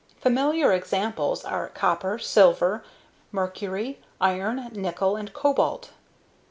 Familiar examples are copper, silver, mercury, iron, nickel and cobalt.